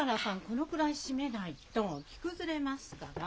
このくらい締めないと着崩れますから。